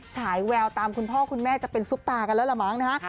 ฉายแววตามคุณพ่อคุณแม่จะเป็นซุปตากันแล้วล่ะมั้งนะฮะ